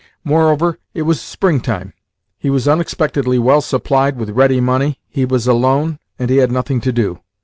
Moreover, it was springtime, he was unexpectedly well supplied with ready money, he was alone, and he had nothing to do.